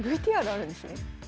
ＶＴＲあるんですね。